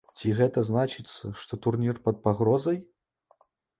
Ці гэта значыцца, што турнір пад пагрозай?